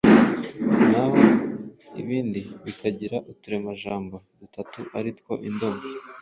naho ibindi bikagira uturemajambo dutatu ari two indomo,